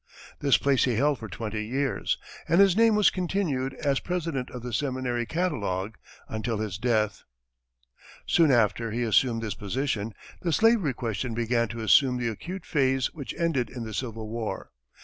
This place he held for twenty years, and his name was continued as president in the seminary catalogue, until his death. Soon after he assumed this position, the slavery question began to assume the acute phase which ended in the Civil War.